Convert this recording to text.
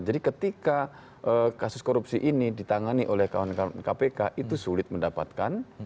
jadi ketika kasus korupsi ini ditangani oleh kawan kawan kpk itu sulit mendapatkan